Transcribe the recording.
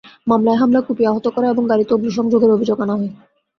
মামলায় হামলা, কুপিয়ে আহত করা এবং গাড়িতে অগ্নিসংযোগের অভিযোগ আনা হয়।